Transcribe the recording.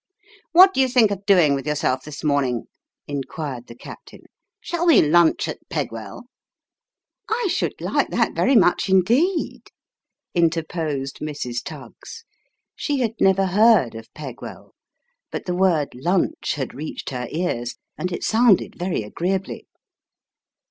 " What do you think of doing with yourself this morning ?" inquired the captain. " Shall we lunch at Pegwell ?"" I should like that very much indeed," interposed Mrs. Tuggs. She had never heard of Pegwell ; but the word " lunch " had reached her 'ears, and it sounded very agreeably.